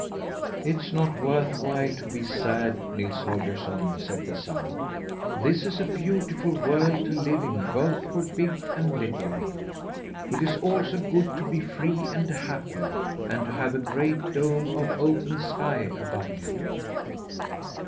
"It's not worth while to be sad, Nils Holgersson," said the Sun. "This is a beautiful world to live in both for big and little. It is also good to be free and happy, and to have a great dome of open sky above you."